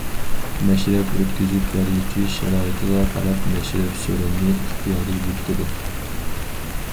مەشرەپ ئۆتكۈزۈپ بەرگۈچى شارائىتىغا قاراپ مەشرەپ سورۇنىنى ئىختىيارىي بېكىتىدۇ.